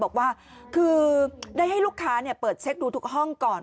บอกว่าคือได้ให้ลูกค้าเปิดเช็คดูทุกห้องก่อน